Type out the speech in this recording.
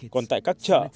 còn tại các chợ